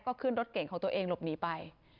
ก็ขึ้นรถเก่งของตัวเองหลบหนีไป